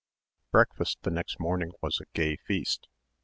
9 Breakfast the next morning was a gay feast.